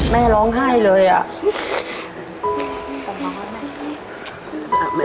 แม่ร้องไห้เลยอ่ะ